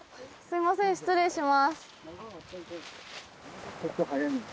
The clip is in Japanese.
すいません失礼します。